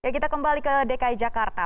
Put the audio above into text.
kita kembali ke dki jakarta